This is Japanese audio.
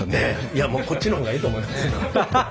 いやこっちの方がええと思いますよ。